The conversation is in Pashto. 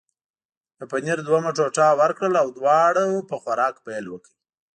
د پنیر دوهمه ټوټه ورکړل او دواړو په خوراک پیل وکړ.